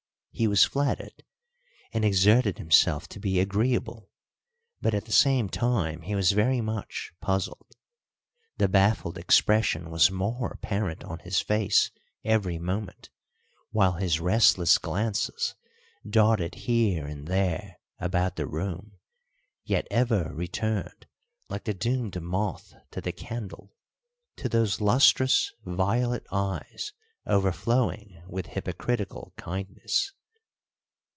He was flattered, and exerted himself to be agreeable, but at the same time he was very much puzzled. The baffled expression was more apparent on his face every moment, while his restless glances darted here and there about the room, yet ever returned, like the doomed moth to the candle, to those lustrous violet eyes overflowing with hypocritical kindness.